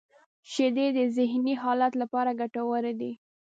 • شیدې د ذهنی حالت لپاره ګټورې دي.